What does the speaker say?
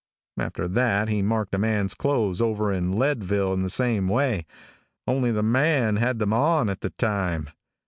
After that he marked a man's clothes over in Leadville in the same way, only the man had them on at the time.